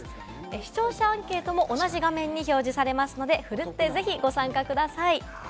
視聴者アンケートも同じ画面に表示されますので、奮ってぜひご参加ください。